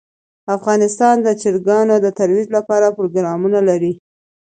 افغانستان د چرګانو د ترویج لپاره پروګرامونه لري.